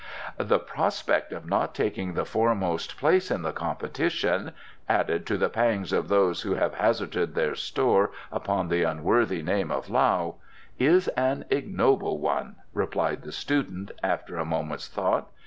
"The prospect of not taking the foremost place in the competition added to the pangs of those who have hazarded their store upon the unworthy name of Lao is an ignoble one," replied the student, after a moment's thought.